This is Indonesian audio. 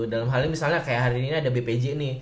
dalam hal ini misalnya kayak hari ini ada bpj nih